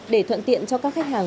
để thuận tiện cho các khách hàng